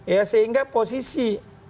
ya sehingga posisi